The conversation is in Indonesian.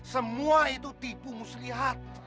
semua itu tipu muslihat